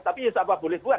tapi ya bisa apa boleh buat